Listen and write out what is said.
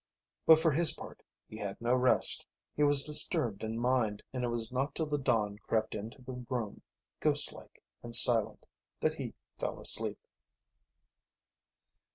But for his part he had no rest, he was disturbed in mind, and it was not till the dawn crept into the room, ghostlike and silent, that he fell asleep.